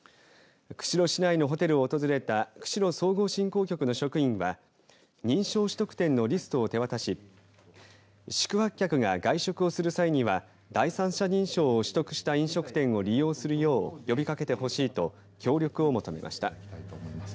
釧路市内のホテルを訪れた釧路総合振興局の職員は認証取得店のリストを手渡し宿泊客が外食をする際には第三者認証を取得した飲食店を利用するよう呼びかけてほしいと協力を求めました。